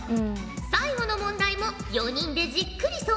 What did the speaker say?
最後の問題も４人でじっくり相談して考えよ。